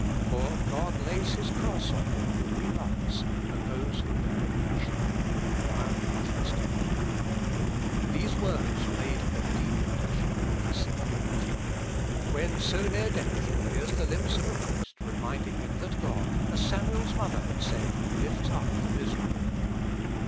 For God lays his cross on him whom he loves, and those who bear it patiently acquire much wisdom." These words made a deep impression on the sick youth. When so near death he hears the lips of a priest reminding him that God, as Samuel's mother had said, lifts up the miserable.